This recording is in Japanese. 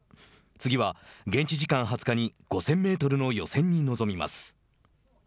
次は現地時間２０日に５０００メートルの予選に臨みます。